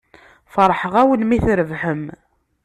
Feṛḥeɣ-awen mi trebḥem.